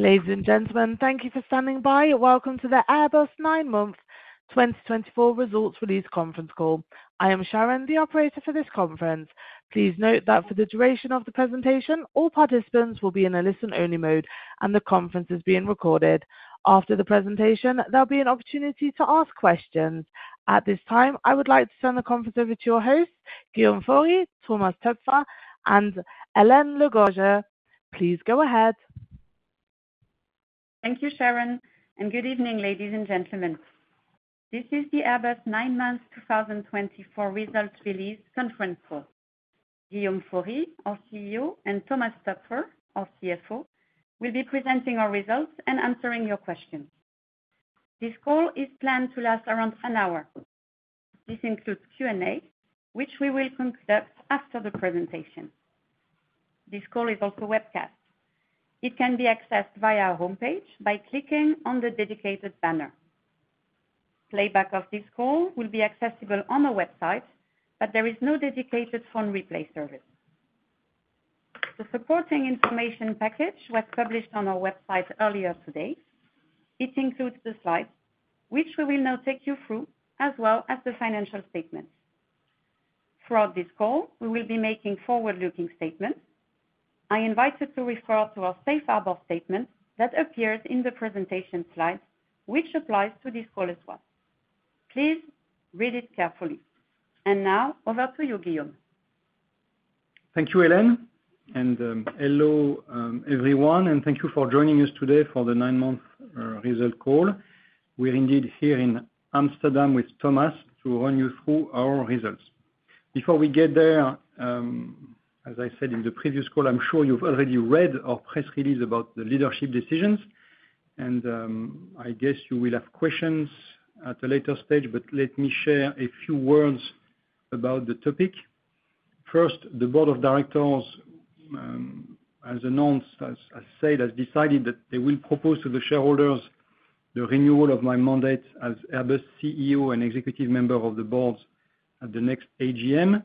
Ladies and gentlemen, thank you for standing by. Welcome to the Airbus Nine-Month 2024 Results Release Conference Call. I am Sharon, the operator for this conference. Please note that for the duration of the presentation, all participants will be in a listen-only mode, and the conference is being recorded. After the presentation, there'll be an opportunity to ask questions. At this time, I would like to turn the conference over to your hosts, Guillaume Faury, Thomas Toepfer, and Hélène Le Gorgeu. Please go ahead. Thank you, Sharon, and good evening, ladies and gentlemen. This is the Airbus nine-month 2024 results release conference call. Guillaume Faury, our CEO, and Thomas Toepfer, our CFO, will be presenting our results and answering your questions. This call is planned to last around an hour. This includes Q&A, which we will conduct after the presentation. This call is also webcast. It can be accessed via our homepage by clicking on the dedicated banner. Playback of this call will be accessible on our website, but there is no dedicated phone replay service. The supporting information package was published on our website earlier today. It includes the slides, which we will now take you through, as well as the financial statements. Throughout this call, we will be making forward-looking statements. I invite you to refer to our Safe Harbor Statement that appears in the presentation slides, which applies to this call as well. Please read it carefully. And now, over to you, Guillaume. Thank you, Hélène, and hello everyone, and thank you for joining us today for the nine-month results call. We're indeed here in Amsterdam with Thomas to run you through our results. Before we get there, as I said in the previous call, I'm sure you've already read our press release about the leadership decisions, and I guess you will have questions at a later stage, but let me share a few words about the topic. First, the Board of Directors, as announced, as said, has decided that they will propose to the shareholders the renewal of my mandate as Airbus CEO and executive member of the board at the next AGM.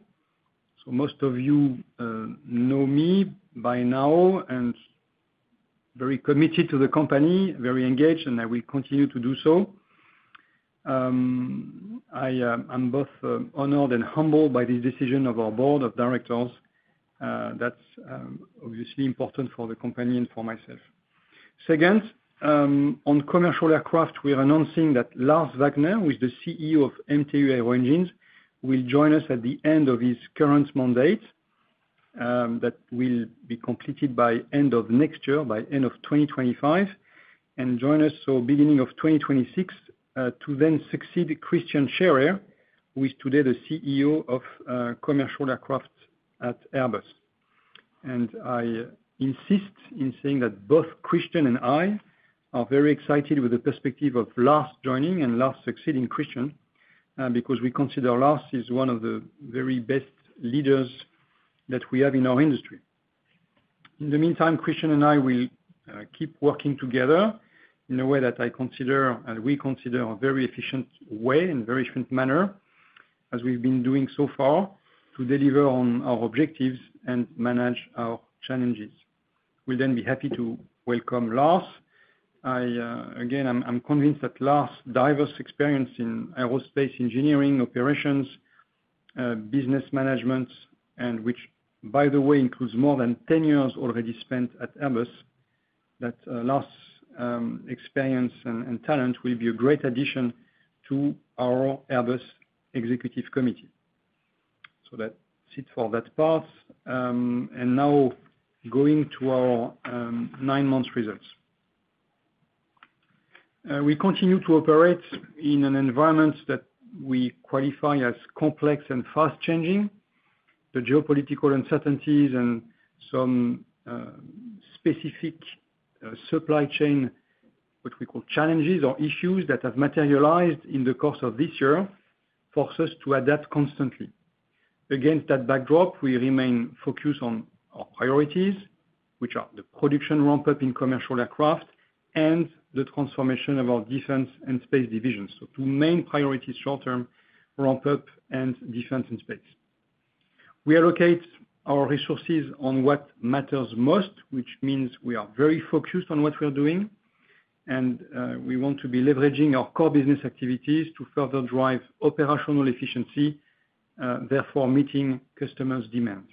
So most of you know me by now and are very committed to the company, very engaged, and I will continue to do so. I am both honored and humbled by this decision of our Board of Directors. That's obviously important for the company and for myself. Second, on commercial aircraft, we're announcing that Lars Wagner, who is the CEO of MTU Aero Engines, will join us at the end of his current mandate that will be completed by the end of next year, by the end of 2025, and join us so beginning of 2026 to then succeed Christian Scherer, who is today the CEO of Commercial Aircraft at Airbus. And I insist in saying that both Christian and I are very excited with the perspective of Lars joining and Lars succeeding Christian because we consider Lars as one of the very best leaders that we have in our industry. In the meantime, Christian and I will keep working together in a way that I consider and we consider a very efficient way and very efficient manner, as we've been doing so far, to deliver on our objectives and manage our challenges. We'll then be happy to welcome Lars. Again, I'm convinced that Lars' experience in aerospace engineering, operations, business management, and which, by the way, includes more than 10 years already spent at Airbus, that Lars' experience and talent will be a great addition to our Airbus executive committee. So that's it for that part. And now, going to our nine-month results. We continue to operate in an environment that we qualify as complex and fast-changing. The geopolitical uncertainties and some specific supply chain, what we call challenges or issues that have materialized in the course of this year force us to adapt constantly. Against that backdrop, we remain focused on our priorities, which are the production ramp-up in commercial aircraft and the transformation of our defense and space divisions. So two main priorities short-term: ramp-up and defense and space. We allocate our resources on what matters most, which means we are very focused on what we're doing, and we want to be leveraging our core business activities to further drive operational efficiency, therefore meeting customers' demands.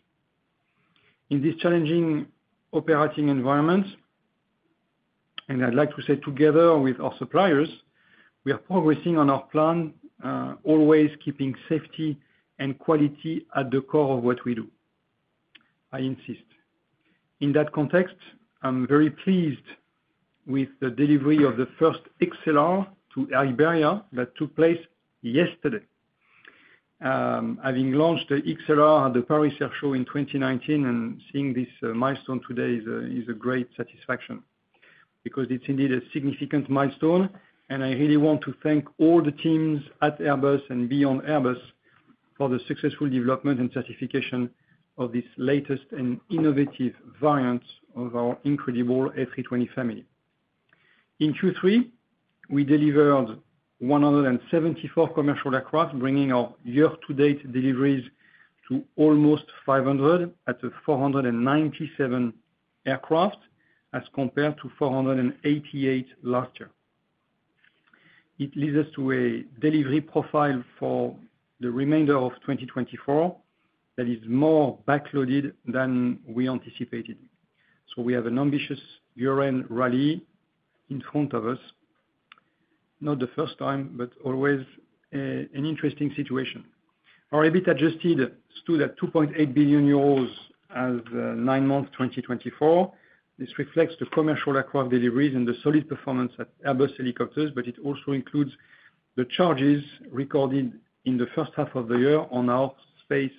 In this challenging operating environment, and I'd like to say together with our suppliers, we are progressing on our plan, always keeping safety and quality at the core of what we do. I insist. In that context, I'm very pleased with the delivery of the first XLR to Iberia that took place yesterday. Having launched the XLR at the Paris Air Show in 2019 and seeing this milestone today is a great satisfaction because it's indeed a significant milestone, and I really want to thank all the teams at Airbus and beyond Airbus for the successful development and certification of this latest and innovative variant of our incredible A320 family. In Q3, we delivered 174 commercial aircraft, bringing our year-to-date deliveries to almost 500 at 497 aircraft as compared to 488 last year. It leads us to a delivery profile for the remainder of 2024 that is more backloaded than we anticipated. So we have an ambitious year-end rally in front of us, not the first time, but always an interesting situation. Our EBIT adjusted stood at 2.8 billion euros as of nine months 2024. This reflects the commercial aircraft deliveries and the solid performance at Airbus Helicopters, but it also includes the charges recorded in the first half of the year on our space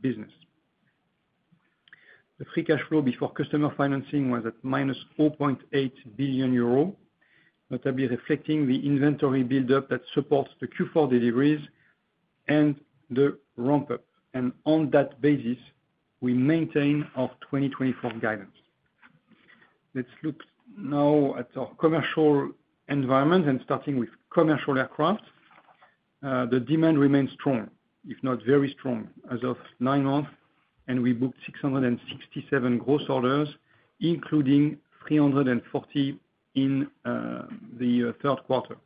business. The free cash flow before customer financing was at – 4.8 billion euro, notably reflecting the inventory build-up that supports the Q4 deliveries and the ramp-up. And on that basis, we maintain our 2024 guidance. Let's look now at our commercial environment, and starting with commercial aircraft, the demand remains strong, if not very strong, as of nine months, and we booked 667 gross orders, including 340 in the third quarter.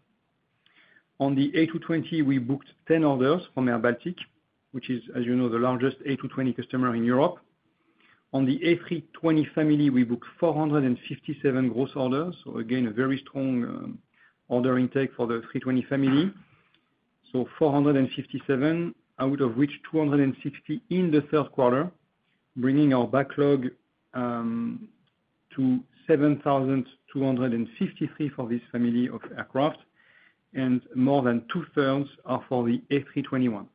On the A220, we booked 10 orders from airBaltic, which is, as you know, the largest A220 customer in Europe. On the A320 family, we booked 457 gross orders, so again, a very strong order intake for the A320 family. 457, out of which 260 in the third quarter, bringing our backlog to 7,253 for this family of aircraft, and more than two-thirds are for the A321.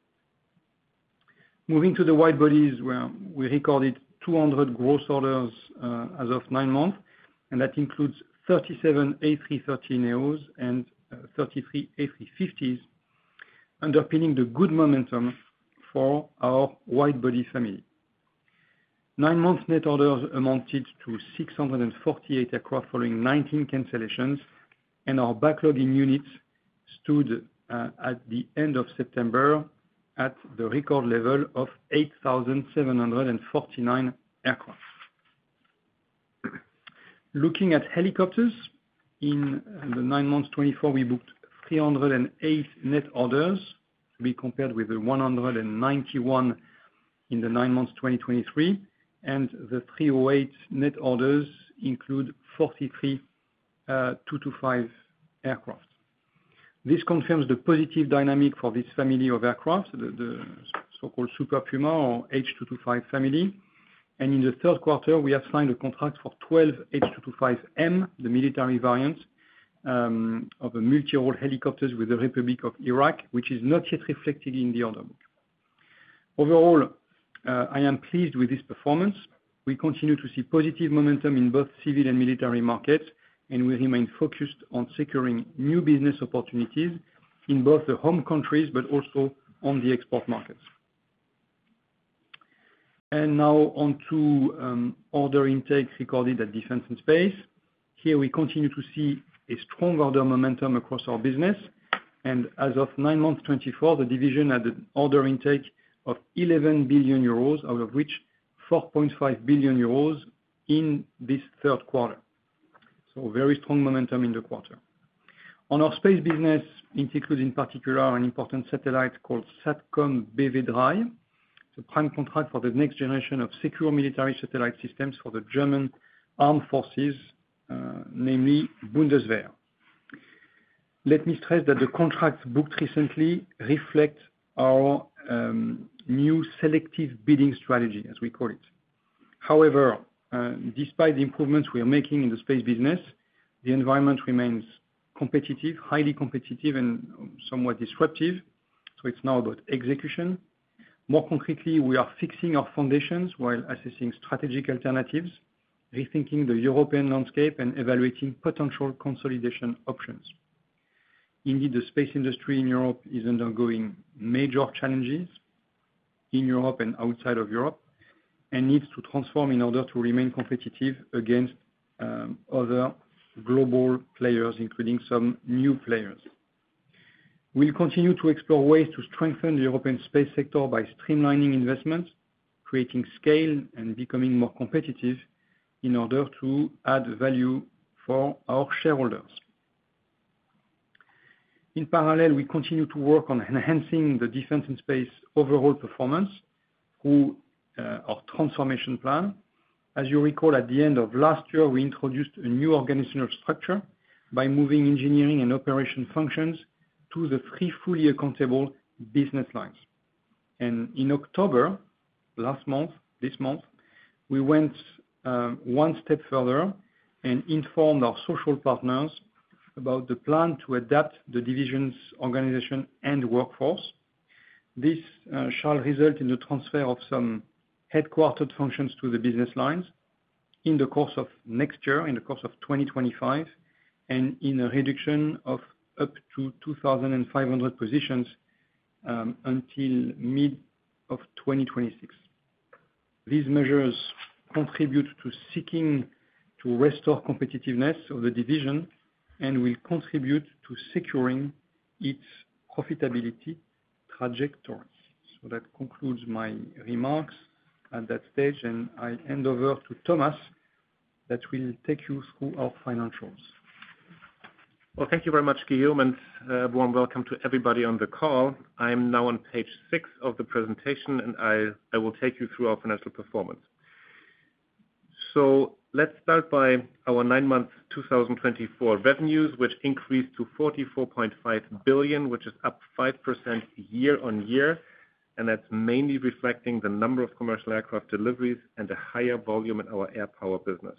Moving to the wide bodies, we recorded 200 gross orders as of nine months, and that includes 37 A330neos and 33 A350s, underpinning the good momentum for our wide body family. Nine months net orders amounted to 648 aircraft following 19 cancellations, and our backlog in units stood at the end of September at the record level of 8,749 aircraft. Looking at helicopters, in the nine months 2024, we booked 308 net orders, to be compared with the 191 in the nine months 2023, and the 308 net orders include 43 H225 aircraft. This confirms the positive dynamic for this family of aircraft, the so-called Super Puma or H225 family. In the third quarter, we have signed a contract for 12 H225M, the military variant of multi-role helicopters with the Republic of Iraq, which is not yet reflected in the order book. Overall, I am pleased with this performance. We continue to see positive momentum in both civil and military markets, and we remain focused on securing new business opportunities in both the home countries but also on the export markets. Now on to order intake recorded at defense and space. Here, we continue to see a strong order momentum across our business, and as of nine months 2024, the division had an order intake of 11 billion euros, out of which 4.5 billion euros in this third quarter. Very strong momentum in the quarter. On our space business, it includes in particular an important satellite called SATCOMBw 3, the prime contract for the next generation of secure military satellite systems for the German armed forces, namely Bundeswehr. Let me stress that the contracts booked recently reflect our new selective bidding strategy, as we call it. However, despite the improvements we are making in the space business, the environment remains competitive, highly competitive, and somewhat disruptive. So it's now about execution. More concretely, we are fixing our foundations while assessing strategic alternatives, rethinking the European landscape, and evaluating potential consolidation options. Indeed, the space industry in Europe is undergoing major challenges in Europe and outside of Europe and needs to transform in order to remain competitive against other global players, including some new players. We'll continue to explore ways to strengthen the European space sector by streamlining investments, creating scale, and becoming more competitive in order to add value for our shareholders. In parallel, we continue to work on enhancing the defense and space overall performance through our transformation plan. As you recall, at the end of last year, we introduced a new organizational structure by moving engineering and operation functions to the three fully accountable business lines. And in October last month, this month, we went one step further and informed our social partners about the plan to adapt the division's organization and workforce. This shall result in the transfer of some headquartered functions to the business lines in the course of next year, in the course of 2025, and in a reduction of up to 2,500 positions until mid of 2026. These measures contribute to seeking to restore competitiveness of the division and will contribute to securing its profitability trajectory. So that concludes my remarks at that stage, and I hand over to Thomas that will take you through our financials. Thank you very much, Guillaume, and a warm welcome to everybody on the call. I'm now on page six of the presentation, and I will take you through our financial performance. Let's start by our nine-month 2024 revenues, which increased to 44.5 billion, which is up 5% year-on-year, and that's mainly reflecting the number of commercial aircraft deliveries and a higher volume in our air power business.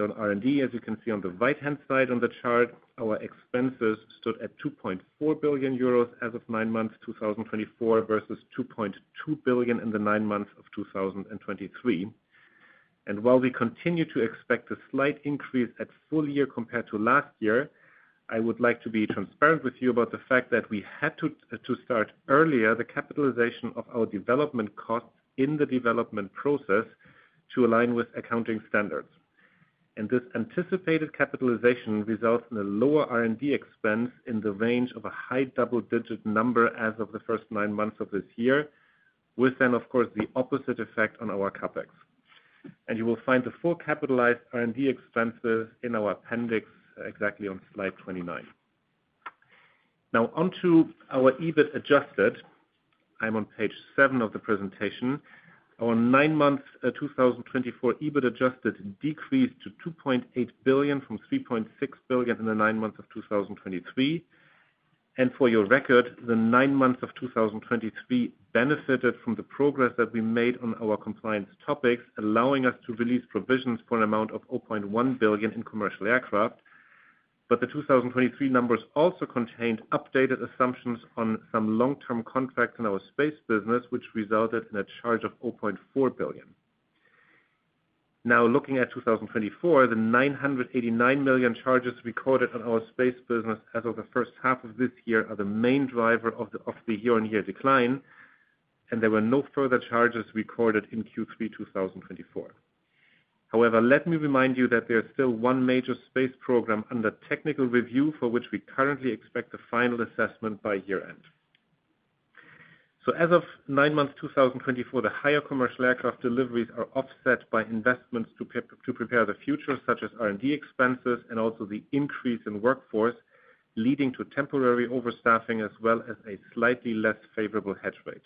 On R&D, as you can see on the right-hand side on the chart, our expenses stood at 2.4 billion euros as of nine-month 2024 versus 2.2 billion in the nine-month of 2023. While we continue to expect a slight increase at full year compared to last year, I would like to be transparent with you about the fact that we had to start earlier the capitalization of our development costs in the development process to align with accounting standards. This anticipated capitalization results in a lower R&D expense in the range of a high double-digit number as of the first nine months of this year, with then, of course, the opposite effect on our CapEx. You will find the full capitalized R&D expenses in our appendix exactly on slide 29. Now, on to our EBIT Adjusted. I'm on page seven of the presentation. Our nine-month 2024 EBIT Adjusted decreased to 2.8 billion from 3.6 billion in the nine months of 2023. And for your record, the nine months of 2023 benefited from the progress that we made on our compliance topics, allowing us to release provisions for an amount of 0.1 billion in commercial aircraft. But the 2023 numbers also contained updated assumptions on some long-term contracts in our space business, which resulted in a charge of 0.4 billion. Now, looking at 2024, the 989 million charges recorded on our space business as of the first half of this year are the main driver of the year-on-year decline, and there were no further charges recorded in Q3 2024. However, let me remind you that there is still one major space program under technical review for which we currently expect a final assessment by year-end. So, as of nine months 2024, the higher commercial aircraft deliveries are offset by investments to prepare the future, such as R&D expenses and also the increase in workforce, leading to temporary overstaffing as well as a slightly less favorable hedge rate.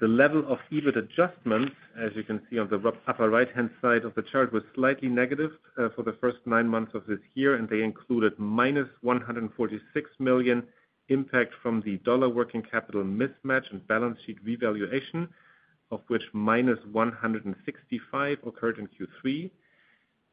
The level of EBIT adjustments, as you can see on the upper right-hand side of the chart, was slightly negative for the first nine months of this year, and they included - 146 million impact from the dollar working capital mismatch and balance sheet revaluation, of which - 165 occurred in Q3.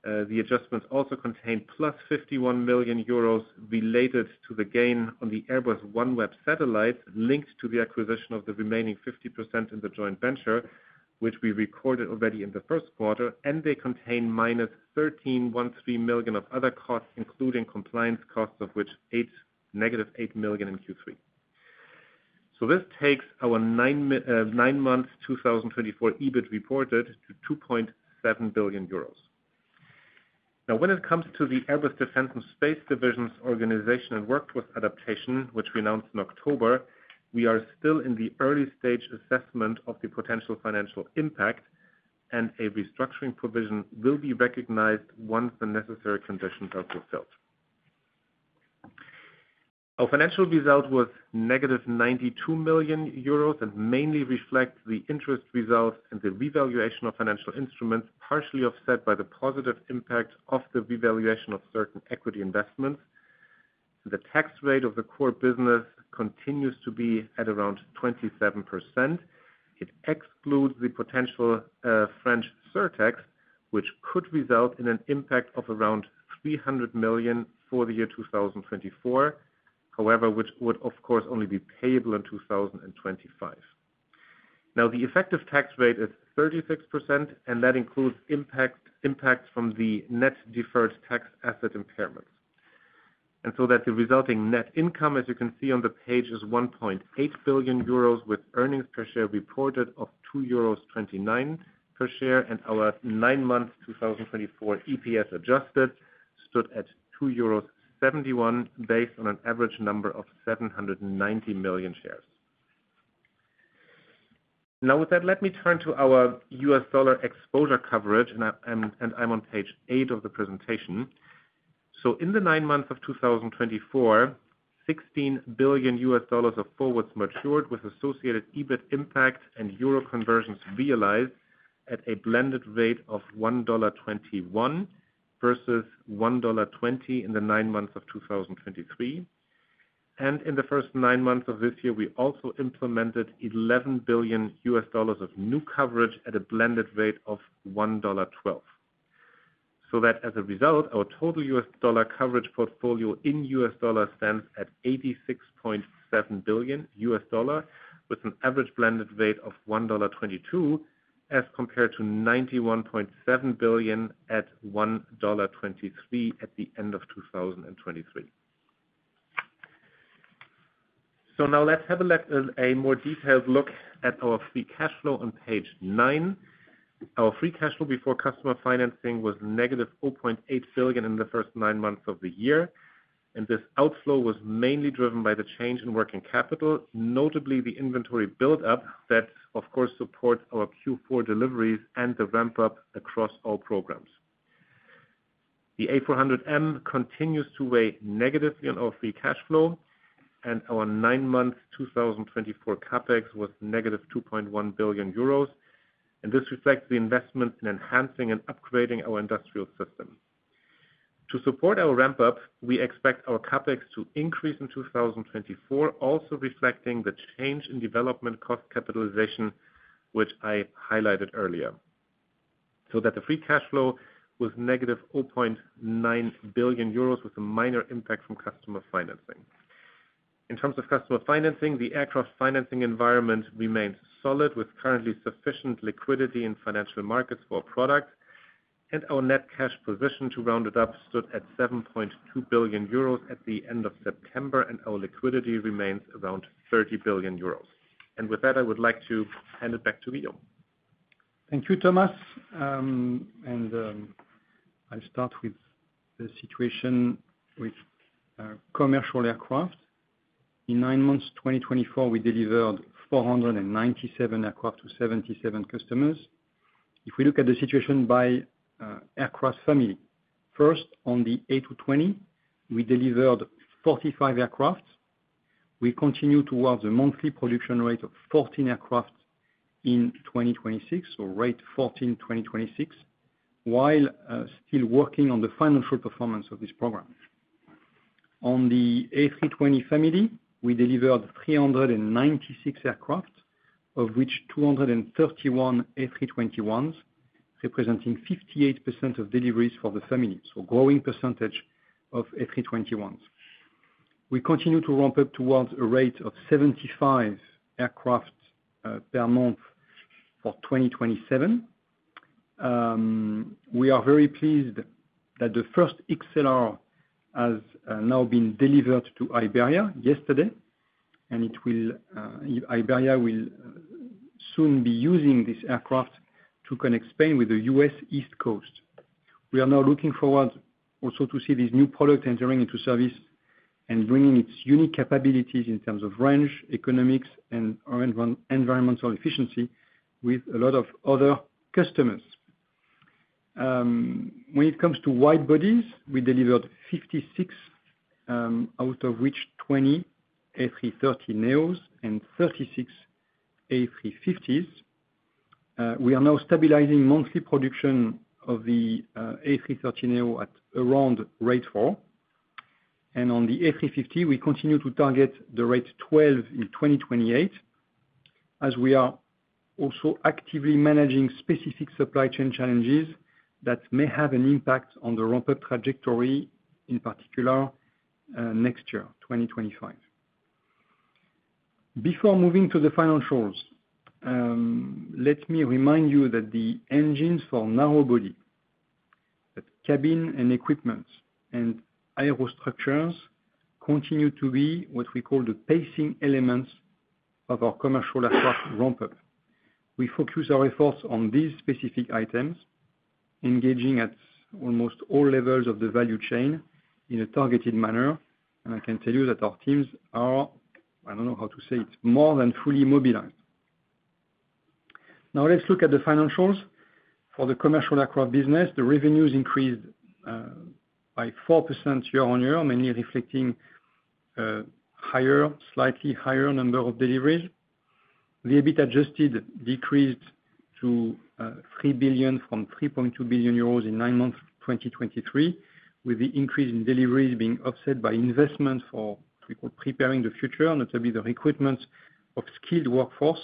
The adjustments also contained 51 million euros related to the gain on the Airbus OneWeb Satellites linked to the acquisition of the remaining 50% in the joint venture, which we recorded already in the first quarter, and they contain - 13.13 million of other costs, including compliance costs, of which negative 8 million in Q3. This takes our nine-month 2024 EBIT reported to 2.7 billion euros. Now, when it comes to the Airbus Defense and Space Division's organization and workforce adaptation, which we announced in October, we are still in the early stage assessment of the potential financial impact, and a restructuring provision will be recognized once the necessary conditions are fulfilled. Our financial result was - 92 million euros and mainly reflects the interest results in the revaluation of financial instruments, partially offset by the positive impact of the revaluation of certain equity investments. The tax rate of the core business continues to be at around 27%. It excludes the potential French surtax, which could result in an impact of around 300 million for the year 2024, however, which would, of course, only be payable in 2025. Now, the effective tax rate is 36%, and that includes impacts from the net deferred tax asset impairments, and so the resulting net income, as you can see on the page, is 1.8 billion euros, with earnings per share reported of 2.29 euros per share, and our nine-month 2024 EPS adjusted stood at 2.71 euros based on an average number of 790 million shares. Now, with that, let me turn to our US dollar exposure coverage, and I'm on page eight of the presentation, so in the nine months of 2024, EUR 16 billion of forwards matured with associated EBIT impact and euro conversions realized at a blended rate of $1.21 versus $1.20 in the nine months of 2023, and in the first nine months of this year, we also implemented $11 billion of new coverage at a blended rate of $1.12. That as a result, our total US dollar coverage portfolio in US dollars stands at $86.7 billion, with an average blended rate of $1.22 as compared to $91.7 billion at $1.23 at the end of 2023. Now, let's have a more detailed look at our free cash flow on page nine. Our free cash flow before customer financing was negative 0.8 billion in the first nine months of the year, and this outflow was mainly driven by the change in working capital, notably the inventory build-up that, of course, supports our Q4 deliveries and the ramp-up across all programs. The A400M continues to weigh negatively on our free cash flow, and our nine-month 2024 CapEx was - 2.1 billion euros, and this reflects the investment in enhancing and upgrading our industrial system. To support our ramp-up, we expect our CapEx to increase in 2024, also reflecting the change in development cost capitalization, which I highlighted earlier. So that the free cash flow was - 0.9 billion euros, with a minor impact from customer financing. In terms of customer financing, the aircraft financing environment remains solid, with currently sufficient liquidity in financial markets for our product, and our net cash position, to round it up, stood at 7.2 billion euros at the end of September, and our liquidity remains around 30 billion euros. And with that, I would like to hand it back to Guillaume. Thank you, Thomas. I'll start with the situation with commercial aircraft. In nine months 2024, we delivered 497 aircraft to 77 customers. If we look at the situation by aircraft family, first, on the A220, we delivered 45 aircraft. We continue towards a monthly production rate of 14 aircraft in 2026, or rate 14, 2026, while still working on the financial performance of this program. On the A320 family, we delivered 396 aircraft, of which 231 A321s, representing 58% of deliveries for the family, so a growing percentage of A321s. We continue to ramp up towards a rate of 75 aircraft per month for 2027. We are very pleased that the first XLR has now been delivered to Iberia yesterday, and Iberia will soon be using this aircraft to connect Spain with the U.S. East Coast. We are now looking forward also to see this new product entering into service and bringing its unique capabilities in terms of range, economics, and environmental efficiency with a lot of other customers. When it comes to widebodies, we delivered 56, out of which 20 A330neos and 36 A350s. We are now stabilizing monthly production of the A330neo at around rate four, and on the A350, we continue to target the rate 12 in 2028, as we are also actively managing specific supply chain challenges that may have an impact on the ramp-up trajectory, in particular next year, 2025. Before moving to the financials, let me remind you that the engines for narrowbody, the cabin and equipment, and aero structures continue to be what we call the pacing elements of our commercial aircraft ramp-up. We focus our efforts on these specific items, engaging at almost all levels of the value chain in a targeted manner, and I can tell you that our teams are, I don't know how to say it, more than fully mobilized. Now, let's look at the financials. For the commercial aircraft business, the revenues increased by 4% year-on-year, mainly reflecting a slightly higher number of deliveries. The EBIT Adjusted decreased to 3 billion from 3.2 billion euros in nine months 2023, with the increase in deliveries being offset by investments for what we call preparing the future, notably the recruitment of skilled workforce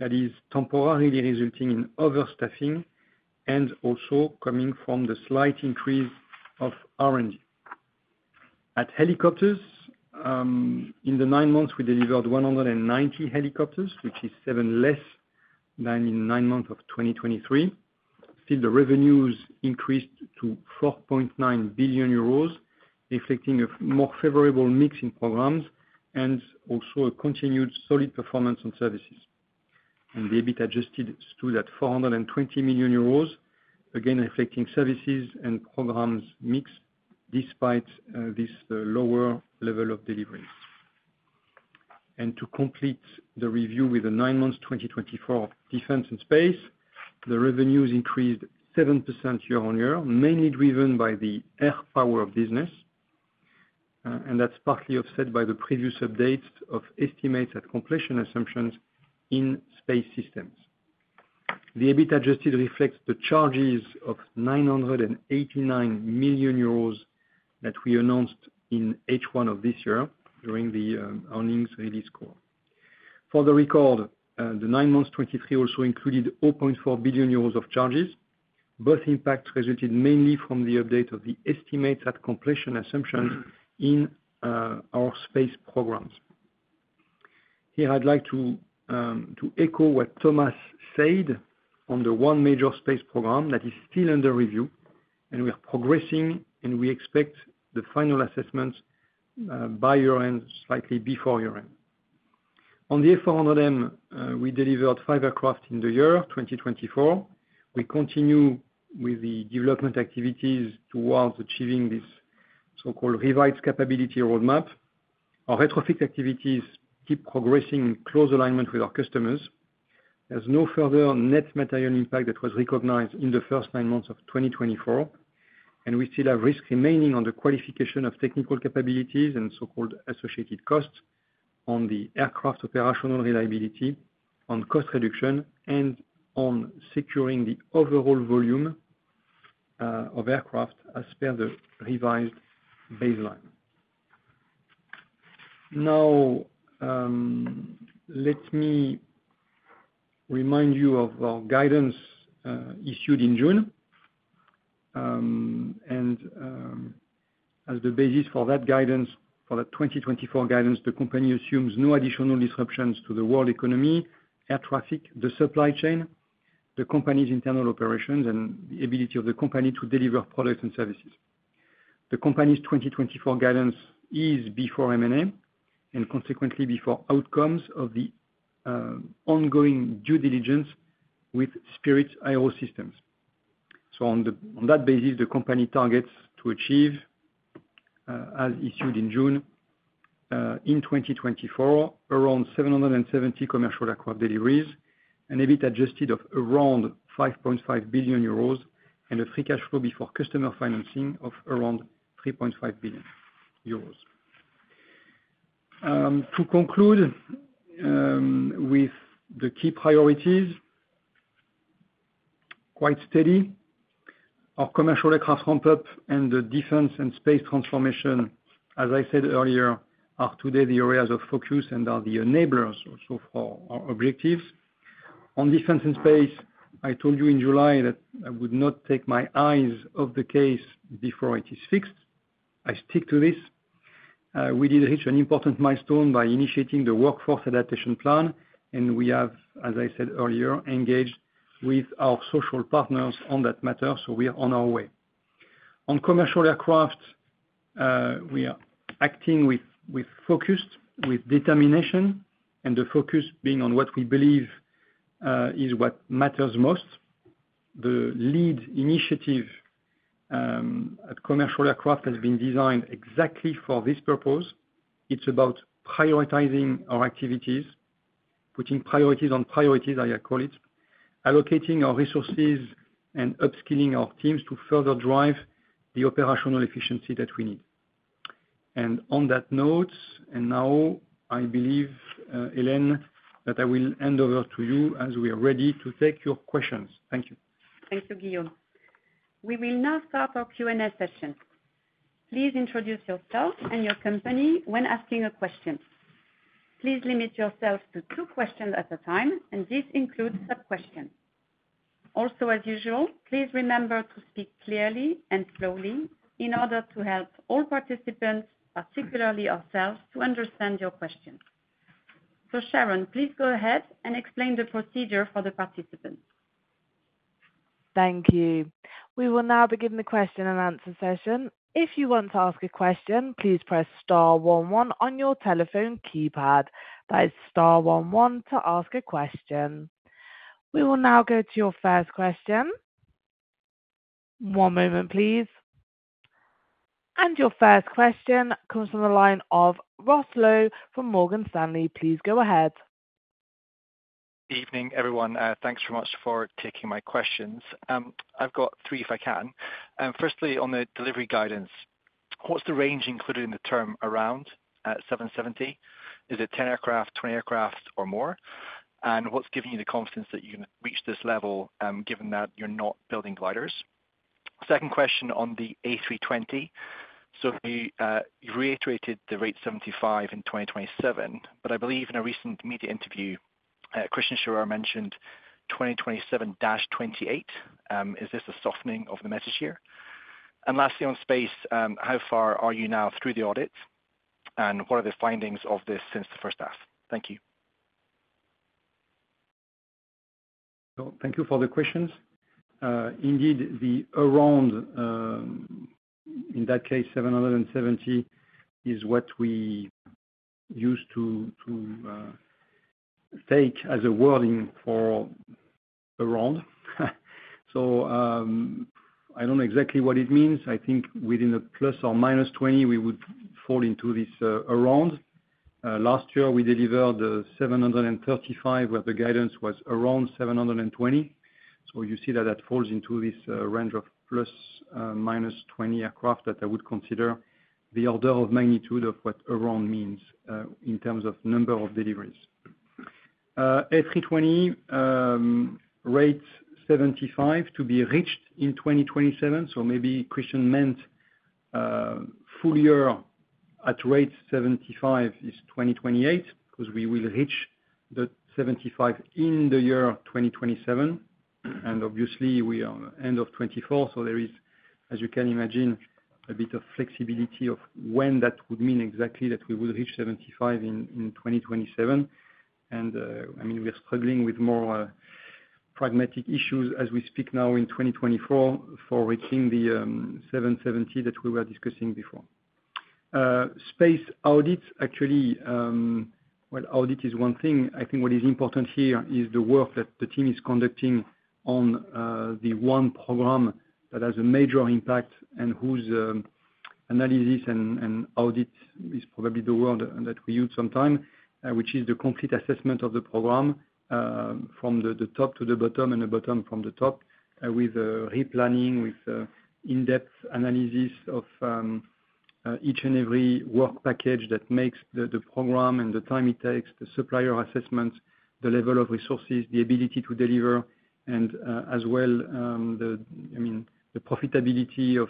that is temporarily resulting in overstaffing and also coming from the slight increase of R&D. At helicopters, in the nine months, we delivered 190 helicopters, which is seven less than in nine months of 2023. Still, the revenues increased to 4.9 billion euros, reflecting a more favorable mix in programs and also a continued solid performance on services. And the EBIT Adjusted stood at 420 million euros, again reflecting services and programs mix despite this lower level of deliveries. And to complete the review with the nine months 2024 of defense and space, the revenues increased 7% year-on-year, mainly driven by the air power business, and that's partly offset by the previous updates of estimates at completion assumptions in space systems. The EBIT Adjusted reflects the charges of 989 million euros that we announced in H1 of this year during the earnings release call. For the record, the nine months 2023 also included 0.4 billion euros of charges. Both impacts resulted mainly from the update of the estimates at completion assumptions in our space programs. Here, I'd like to echo what Thomas said on the one major space program that is still under review, and we are progressing, and we expect the final assessments by year-end, slightly before year-end. On the A400M, we delivered five aircraft in the year 2024. We continue with the development activities towards achieving this so-called revived capability roadmap. Our retrofit activities keep progressing in close alignment with our customers. There's no further net material impact that was recognized in the first nine months of 2024, and we still have risk remaining on the qualification of technical capabilities and so-called associated costs on the aircraft operational reliability, on cost reduction, and on securing the overall volume of aircraft as per the revised baseline. Now, let me remind you of our guidance issued in June, and as the basis for that guidance, for that 2024 guidance, the company assumes no additional disruptions to the world economy, air traffic, the supply chain, the company's internal operations, and the ability of the company to deliver products and services. The company's 2024 guidance is before M&A and consequently before outcomes of the ongoing due diligence with Spirit AeroSystems. So, on that basis, the company targets to achieve, as issued in June in 2024, around 770 commercial aircraft deliveries, an EBIT Adjusted of around 5.5 billion euros and a free cash flow before customer financing of around 3.5 billion euros. To conclude with the key priorities, quite steady, our commercial aircraft ramp-up and the defense and space transformation, as I said earlier, are today the areas of focus and are the enablers also for our objectives. On defense and space, I told you in July that I would not take my eyes off the case before it is fixed. I stick to this. We did reach an important milestone by initiating the workforce adaptation plan, and we have, as I said earlier, engaged with our social partners on that matter, so we are on our way. On commercial aircraft, we are acting with focus, with determination, and the focus being on what we believe is what matters most. The lead initiative at commercial aircraft has been designed exactly for this purpose. It's about prioritizing our activities, putting priorities on priorities, I call it, allocating our resources and upskilling our teams to further drive the operational efficiency that we need. And on that note, and now I believe, Hélène, that I will hand over to you as we are ready to take your questions. Thank you. Thank you, Guillaume. We will now start our Q&A session. Please introduce yourself and your company when asking a question. Please limit yourself to two questions at a time, and this includes sub-questions. Also, as usual, please remember to speak clearly and slowly in order to help all participants, particularly ourselves, to understand your question. So, Sharon, please go ahead and explain the procedure for the participants. Thank you. We will now begin the question and answer session. If you want to ask a question, please press star 11 on your telephone keypad. That is star 11 to ask a question. We will now go to your first question. One moment, please. And your first question comes from the line of Ross Law from Morgan Stanley. Please go ahead. Good evening, everyone. Thanks very much for taking my questions. I've got three if I can. Firstly, on the delivery guidance, what's the range included in the term around 770? Is it 10 aircraft, 20 aircraft, or more? And what's giving you the confidence that you're going to reach this level given that you're not building gliders? Second question on the A320. So, you reiterated the rate 75 in 2027, but I believe in a recent media interview, Christian Scherer mentioned 2027-28. Is this a softening of the message here? And lastly, on space, how far are you now through the audit, and what are the findings of this since the first half? Thank you. Thank you for the questions. Indeed, the around, in that case, 770 is what we used to take as a wording for around. So, I don't know exactly what it means. I think within a ±20, we would fall into this around. Last year, we delivered 735, where the guidance was around 720. So, you see that that falls into this range of ±20 aircraft that I would consider the order of magnitude of what around means in terms of number of deliveries. A320 rate 75 to be reached in 2027. So, maybe Christian meant full year at rate 75 is 2028 because we will reach the 75 in the year 2027. And obviously, we are end of 2024, so there is, as you can imagine, a bit of flexibility of when that would mean exactly that we would reach 75 in 2027. I mean, we are struggling with more pragmatic issues as we speak now in 2024 for reaching the 770 that we were discussing before. Space audit, actually, well, audit is one thing. I think what is important here is the work that the team is conducting on the one program that has a major impact and whose analysis and audit is probably the word that we use sometimes, which is the complete assessment of the program from the top to the bottom and the bottom from the top, with replanning, with in-depth analysis of each and every work package that makes the program and the time it takes, the supplier assessments, the level of resources, the ability to deliver, and as well, I mean, the profitability of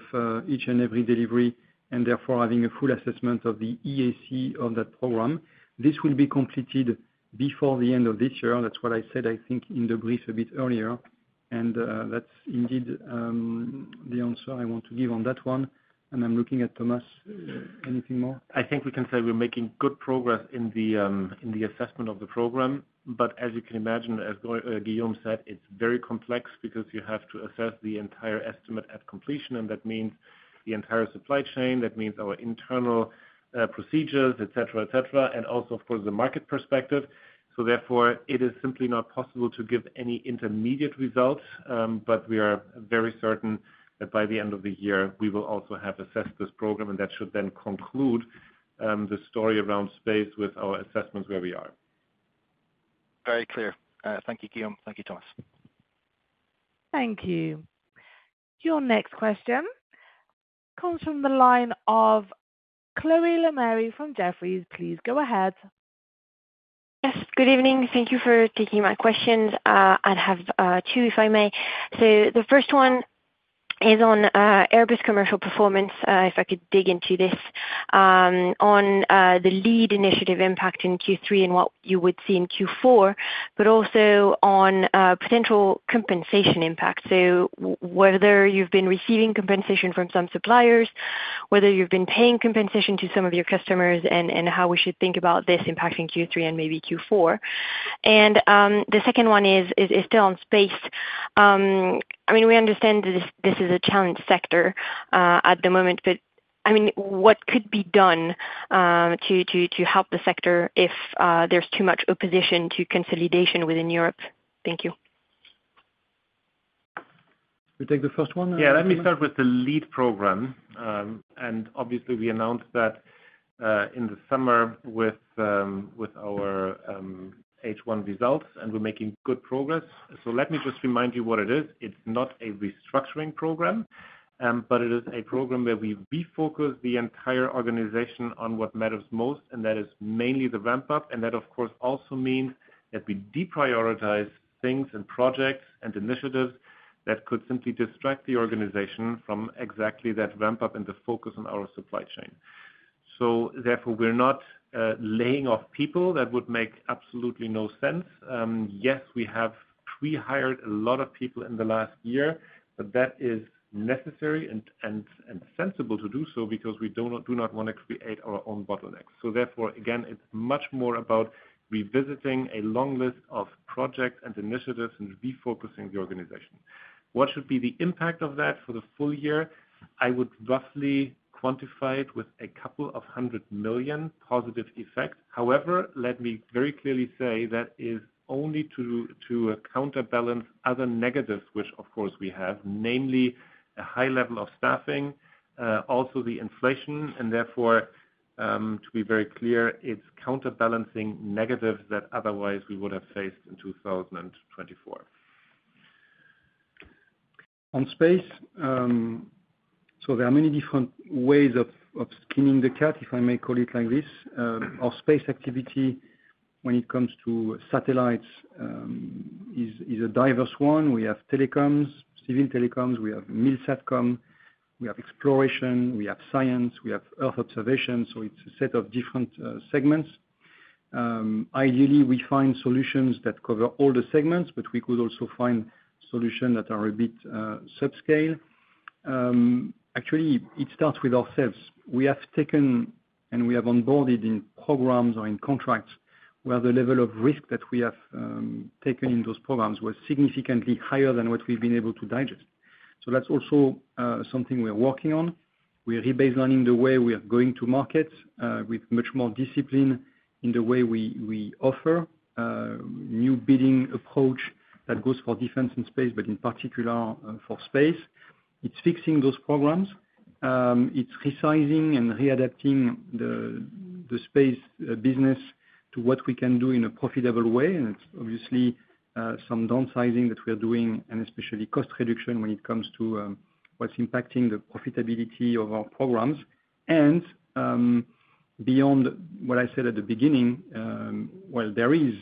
each and every delivery, and therefore having a full assessment of the EAC of that program. This will be completed before the end of this year. That's what I said, I think, in the brief a bit earlier, and that's indeed the answer I want to give on that one. And I'm looking at Thomas. Anything more? I think we can say we're making good progress in the assessment of the program, but as you can imagine, as Guillaume said, it's very complex because you have to assess the entire estimate at completion, and that means the entire supply chain, that means our internal procedures, etc., etc., and also, of course, the market perspective. So, therefore, it is simply not possible to give any intermediate result, but we are very certain that by the end of the year, we will also have assessed this program, and that should then conclude the story around space with our assessments where we are. Very clear. Thank you, Guillaume. Thank you, Thomas. Thank you. Your next question comes from the line of Chloé Lemarié from Jefferies. Please go ahead. Yes, good evening. Thank you for taking my questions. I have two, if I may. So, the first one is on Airbus Commercial performance, if I could dig into this, on the lead initiative impact in Q3 and what you would see in Q4, but also on potential compensation impact. So, whether you've been receiving compensation from some suppliers, whether you've been paying compensation to some of your customers, and how we should think about this impacting Q3 and maybe Q4. And the second one is still on space. I mean, we understand that this is a challenged sector at the moment, but I mean, what could be done to help the sector if there's too much opposition to consolidation within Europe? Thank you. You take the first one. Yeah, let me start with the lead program. Obviously, we announced that in the summer with our H1 results, and we're making good progress. Let me just remind you what it is. It's not a restructuring program, but it is a program where we refocus the entire organization on what matters most, and that is mainly the ramp-up. That, of course, also means that we deprioritize things and projects and initiatives that could simply distract the organization from exactly that ramp-up and the focus on our supply chain. Therefore, we're not laying off people. That would make absolutely no sense. Yes, we have pre-hired a lot of people in the last year, but that is necessary and sensible to do so because we do not want to create our own bottlenecks. So, therefore, again, it's much more about revisiting a long list of projects and initiatives and refocusing the organization. What should be the impact of that for the full year? I would roughly quantify it with a couple of hundred million positive effects. However, let me very clearly say that is only to counterbalance other negatives, which, of course, we have, namely a high level of staffing, also the inflation, and therefore, to be very clear, it's counterbalancing negatives that otherwise we would have faced in 2024. On space, so there are many different ways of skinning the cat, if I may call it like this. Our space activity, when it comes to satellites, is a diverse one. We have telecoms, civil telecoms, we have MilSatCom, we have exploration, we have science, we have Earth observation. So, it's a set of different segments. Ideally, we find solutions that cover all the segments, but we could also find solutions that are a bit subscale. Actually, it starts with ourselves. We have taken and we have onboarded in programs or in contracts where the level of risk that we have taken in those programs was significantly higher than what we've been able to digest. So, that's also something we're working on. We're re-baselining the way we are going to market with much more discipline in the way we offer a new bidding approach that goes for defense and space, but in particular for space. It's fixing those programs. It's resizing and readapting the space business to what we can do in a profitable way. And it's obviously some downsizing that we are doing, and especially cost reduction when it comes to what's impacting the profitability of our programs. And beyond what I said at the beginning, well, there is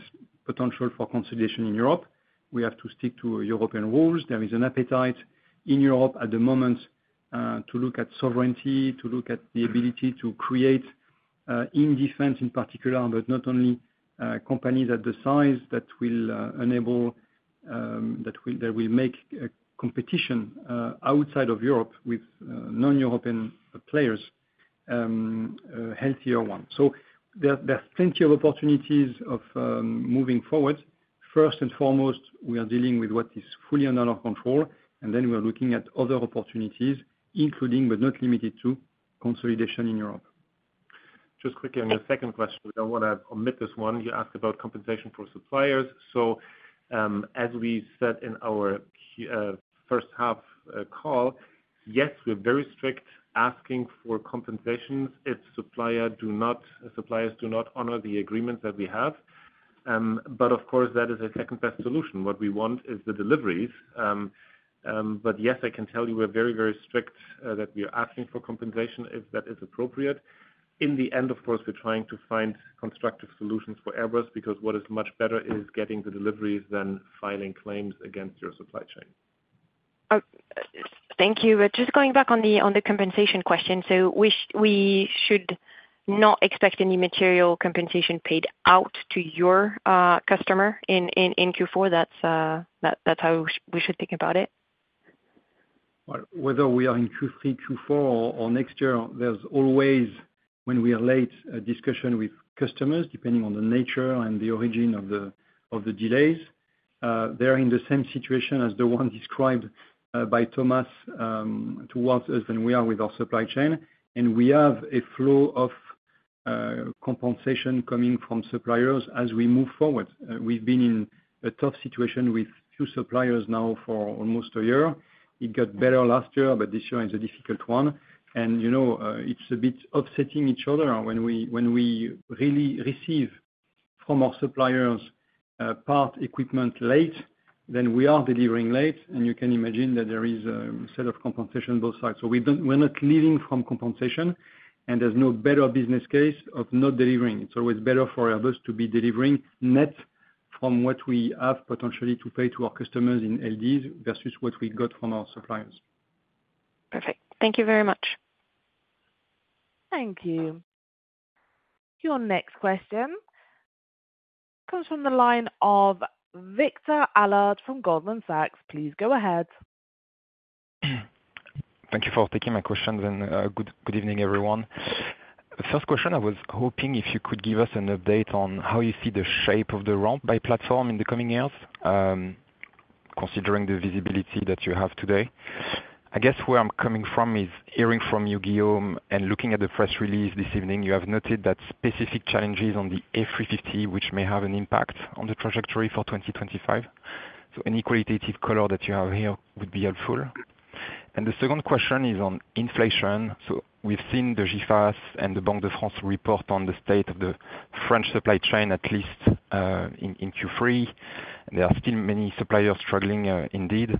potential for consolidation in Europe. We have to stick to European rules. There is an appetite in Europe at the moment to look at sovereignty, to look at the ability to create in defense in particular, but not only companies at the size that will enable, that will make competition outside of Europe with non-European players, healthier ones. So, there's plenty of opportunities of moving forward. First and foremost, we are dealing with what is fully under our control, and then we are looking at other opportunities, including, but not limited to, consolidation in Europe. Just quickly, on your second question, I want to omit this one. You asked about compensation for suppliers. So, as we said in our first half call, yes, we're very strict asking for compensations if suppliers do not honor the agreements that we have. But of course, that is a second-best solution. What we want is the deliveries. But yes, I can tell you we're very, very strict that we are asking for compensation if that is appropriate. In the end, of course, we're trying to find constructive solutions for Airbus because what is much better is getting the deliveries than filing claims against your supply chain. Thank you. But just going back on the compensation question, so we should not expect any material compensation paid out to your customer in Q4. That's how we should think about it. Whether we are in Q3, Q4, or next year, there's always, when we are late, a discussion with customers, depending on the nature and the origin of the delays. They're in the same situation as the one described by Thomas towards us when we are with our supply chain. And we have a flow of compensation coming from suppliers as we move forward. We've been in a tough situation with two suppliers now for almost a year. It got better last year, but this year is a difficult one. And it's a bit upsetting each other. When we really receive from our suppliers part equipment late, then we are delivering late, and you can imagine that there is a set of compensation on both sides. So, we're not living from compensation, and there's no better business case of not delivering. It's always better for Airbus to be delivering net from what we have potentially to pay to our customers in LDs versus what we got from our suppliers. Perfect. Thank you very much. Thank you. Your next question comes from the line of Victor Allard from Goldman Sachs. Please go ahead. Thank you for taking my questions, and good evening, everyone. The first question, I was hoping if you could give us an update on how you see the shape of the ramp-up platform in the coming years, considering the visibility that you have today. I guess where I'm coming from is hearing from you, Guillaume, and looking at the press release this evening, you have noted that specific challenges on the A350, which may have an impact on the trajectory for 2025. So, any qualitative color that you have here would be helpful. And the second question is on inflation. So, we've seen the GIFAS and the Banque de France report on the state of the French supply chain, at least in Q3. There are still many suppliers struggling indeed.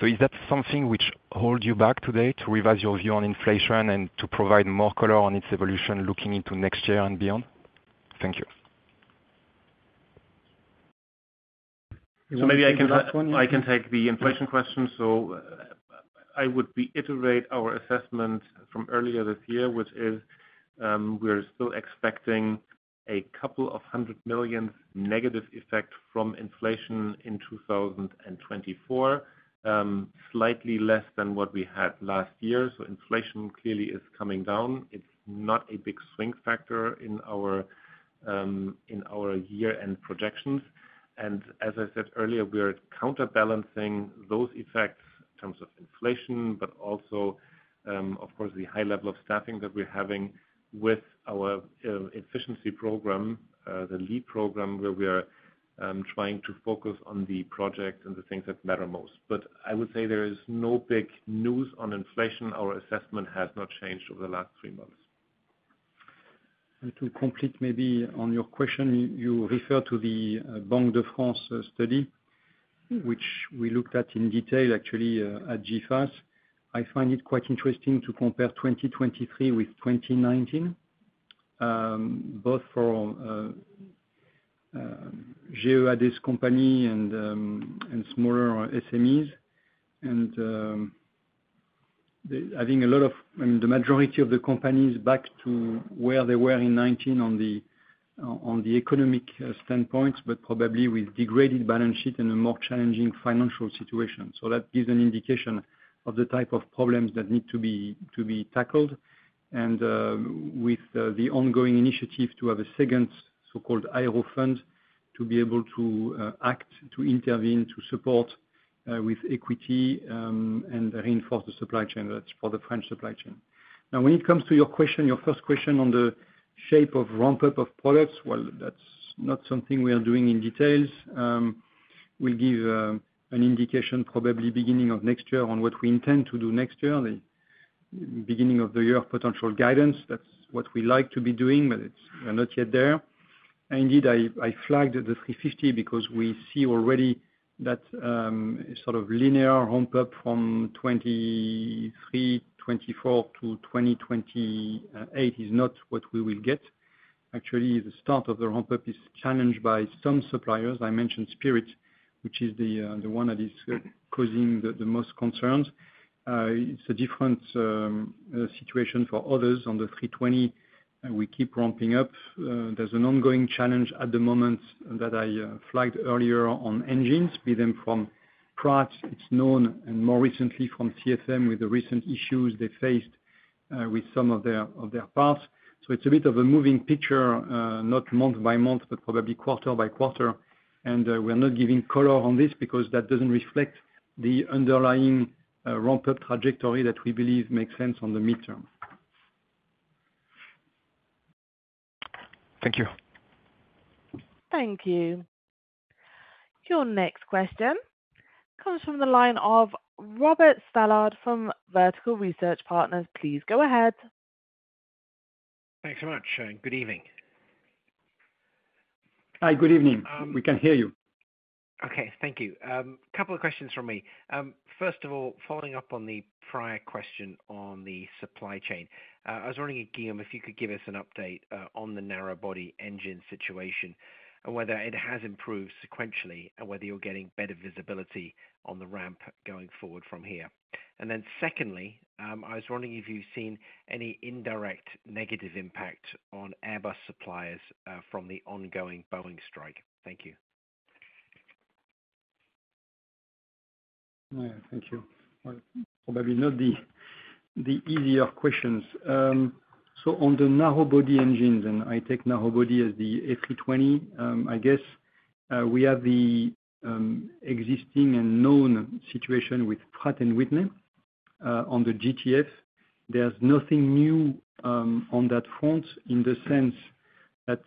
So, is that something which holds you back today to revise your view on inflation and to provide more color on its evolution looking into next year and beyond? Thank you. Maybe I can take the inflation question. I would reiterate our assessment from earlier this year, which is we're still expecting a couple of hundred million negative effect from inflation in 2024, slightly less than what we had last year. Inflation clearly is coming down. It's not a big swing factor in our year-end projections. As I said earlier, we are counterbalancing those effects in terms of inflation, but also, of course, the high level of staffing that we're having with our efficiency program, the lead program, where we are trying to focus on the projects and the things that matter most. I would say there is no big news on inflation. Our assessment has not changed over the last three months. To complete maybe on your question, you refer to the Banque de France study, which we looked at in detail, actually, at GIFAS. I find it quite interesting to compare 2023 with 2019, both for large companies and smaller SMEs, and having a lot of, I mean, the majority of the companies back to where they were in 2019 on the economic standpoints, but probably with degraded balance sheet and a more challenging financial situation. That gives an indication of the type of problems that need to be tackled, and with the ongoing initiative to have a second so-called IRO fund to be able to act, to intervene, to support with equity and reinforce the supply chain. That's for the French supply chain. Now, when it comes to your question, your first question on the shape of ramp-up of products, well, that's not something we are doing in details. We'll give an indication probably beginning of next year on what we intend to do next year, the beginning of the year potential guidance. That's what we'd like to be doing, but we're not yet there. Indeed, I flagged the 350 because we see already that sort of linear ramp-up from 2023, 2024 to 2028 is not what we will get. Actually, the start of the ramp-up is challenged by some suppliers. I mentioned Spirit, which is the one that is causing the most concerns. It's a different situation for others. On the 320, we keep ramping up. There's an ongoing challenge at the moment that I flagged earlier on engines, be them from Pratt's, it's known, and more recently from CFM with the recent issues they faced with some of their parts. So, it's a bit of a moving picture, not month by month, but probably quarter-by-quarter. We're not giving color on this because that doesn't reflect the underlying ramp-up trajectory that we believe makes sense on the midterm. Thank you. Thank you. Your next question comes from the line of Robert Stallard from Vertical Research Partners. Please go ahead. Thanks so much. Good evening. Hi, good evening. We can hear you. Okay. Thank you. A couple of questions from me. First of all, following up on the prior question on the supply chain, I was wondering, Guillaume, if you could give us an update on the narrowbody engine situation and whether it has improved sequentially and whether you're getting better visibility on the ramp going forward from here. And then secondly, I was wondering if you've seen any indirect negative impact on Airbus suppliers from the ongoing Boeing strike. Thank you. Thank you. Probably not the easier questions. So, on the narrowbody engines, and I take narrowbody as the A320, I guess we have the existing and known situation with Pratt & Whitney on the GTF. There's nothing new on that front in the sense that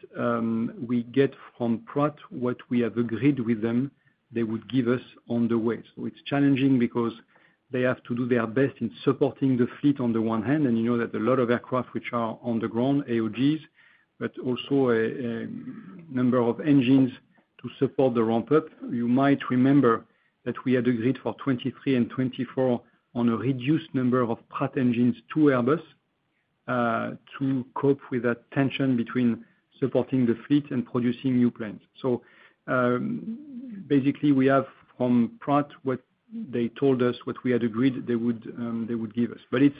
we get from Pratt's what we have agreed with them they would give us on the way. So, it's challenging because they have to do their best in supporting the fleet on the one hand, and you know that a lot of aircraft which are on the ground, AOGs, but also a number of engines to support the ramp-up. You might remember that we had agreed for 2023 and 2024 on a reduced number of Pratt engines to Airbus to cope with that tension between supporting the fleet and producing new planes. So, basically, we have from Pratt's what they told us, what we had agreed they would give us. But it's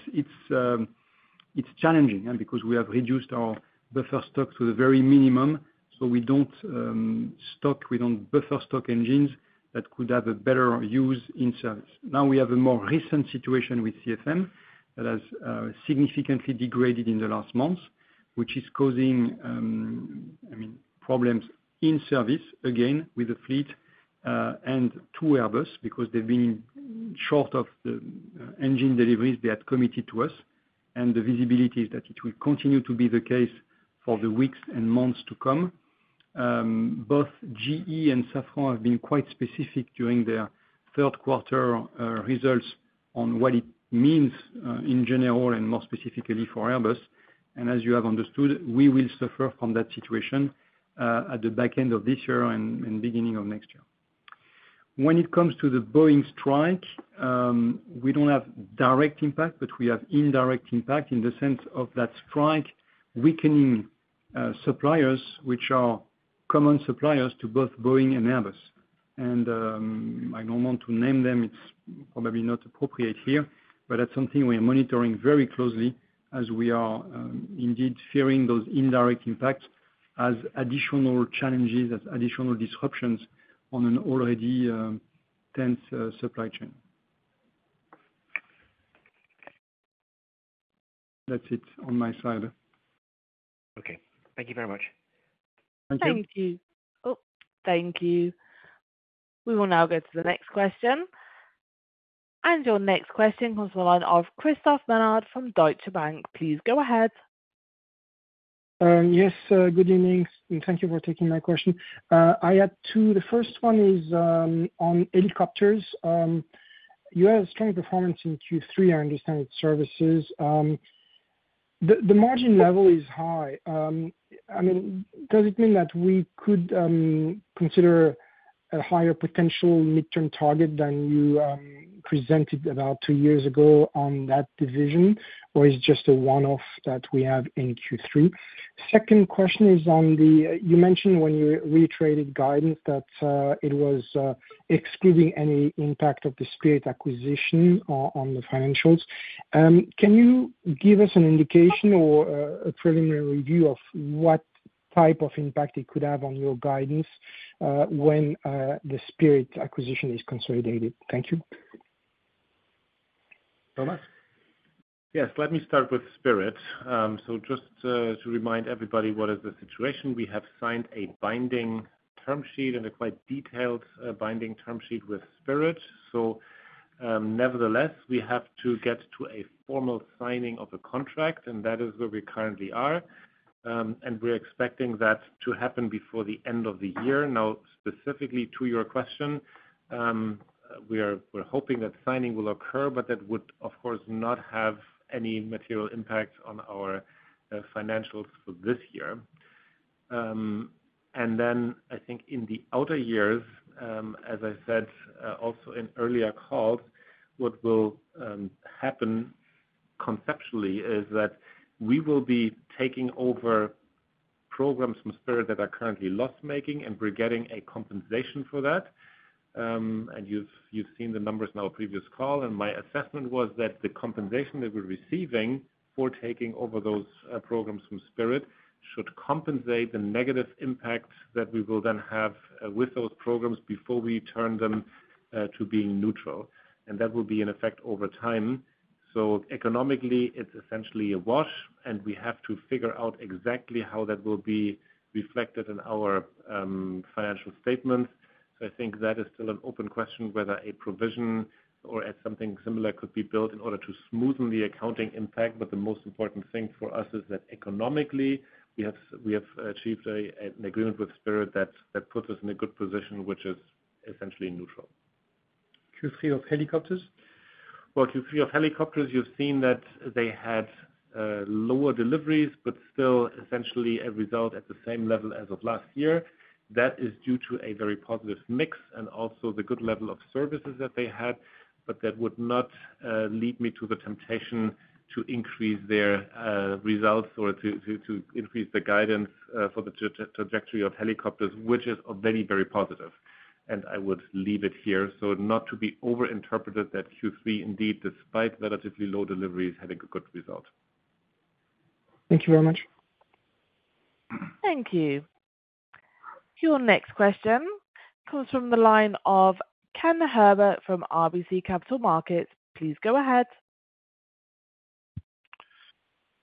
challenging because we have reduced our buffer stock to the very minimum. So, we don't stock, we don't buffer stock engines that could have a better use in service. Now, we have a more recent situation with CFM that has significantly degraded in the last months, which is causing, I mean, problems in service again with the fleet and to Airbus because they've been short of the engine deliveries they had committed to us. And the visibility is that it will continue to be the case for the weeks and months to come. Both GE and Safran have been quite specific during their third quarter results on what it means in general and more specifically for Airbus. As you have understood, we will suffer from that situation at the back end of this year and beginning of next year. When it comes to the Boeing strike, we don't have direct impact, but we have indirect impact in the sense of that strike weakening suppliers, which are common suppliers to both Boeing and Airbus. And I don't want to name them. It's probably not appropriate here, but that's something we are monitoring very closely as we are indeed fearing those indirect impacts as additional challenges, as additional disruptions on an already tense supply chain. That's it on my side. Okay. Thank you very much. Thank you. Thank you. Oh, thank you. We will now get to the next question. And your next question comes from the line of Christophe Menard from Deutsche Bank. Please go ahead. Yes. Good evening. Thank you for taking my question. I had two. The first one is on helicopters. You have strong performance in Q3, I understand, services. The margin level is high. I mean, does it mean that we could consider a higher potential midterm target than you presented about two years ago on that division, or is it just a one-off that we have in Q3? Second question is on the you mentioned when you reiterated guidance that it was excluding any impact of the Spirit acquisition on the financials. Can you give us an indication or a preliminary view of what type of impact it could have on your guidance when the Spirit acquisition is consolidated? Thank you. Thomas. Yes. Let me start with Spirit. So, just to remind everybody what is the situation, we have signed a binding term sheet and a quite detailed binding term sheet with Spirit. So, nevertheless, we have to get to a formal signing of a contract, and that is where we currently are. And we're expecting that to happen before the end of the year. Now, specifically to your question, we're hoping that signing will occur, but that would, of course, not have any material impact on our financials for this year. And then, I think in the outer years, as I said also in earlier calls, what will happen conceptually is that we will be taking over programs from Spirit that are currently loss-making, and we're getting a compensation for that. And you've seen the numbers in our previous call, and my assessment was that the compensation that we're receiving for taking over those programs from Spirit should compensate the negative impact that we will then have with those programs before we turn them to being neutral. And that will be in effect over time. So, economically, it's essentially a wash, and we have to figure out exactly how that will be reflected in our financial statements. So, I think that is still an open question whether a provision or something similar could be built in order to smoothen the accounting impact, but the most important thing for us is that economically, we have achieved an agreement with Spirit that puts us in a good position, which is essentially neutral. Q3 of helicopters? Q3 of helicopters, you've seen that they had lower deliveries, but still essentially a result at the same level as of last year. That is due to a very positive mix and also the good level of services that they had, but that would not lead me to the temptation to increase their results or to increase the guidance for the trajectory of helicopters, which is very, very positive. I would leave it here. Not to be over-interpreted that Q3, indeed, despite relatively low deliveries, had a good result. Thank you very much. Thank you. Your next question comes from the line of Ken Herbert from RBC Capital Markets. Please go ahead.